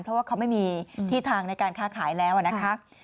เพราะว่าเขาไม่มีที่ทางในการค้าขายแล้วนะคะ